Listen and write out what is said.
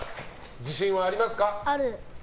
自信はありますか？